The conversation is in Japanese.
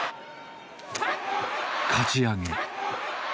かち上げ。